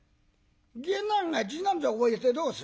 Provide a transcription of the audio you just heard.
「下男が字なんぞ覚えてどうする？